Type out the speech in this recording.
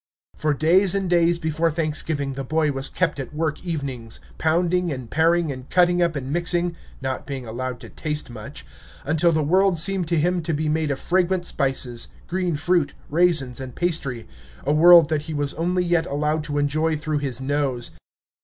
For days and days before Thanksgiving the boy was kept at work evenings, pounding and paring and cutting up and mixing (not being allowed to taste much), until the world seemed to him to be made of fragrant spices, green fruit, raisins, and pastry, a world that he was only yet allowed to enjoy through his nose.